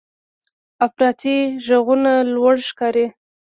افراطي غږونه لوړ ښکاري.